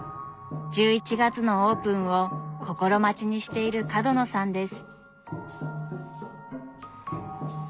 １１月のオープンを心待ちにしている角野さんです。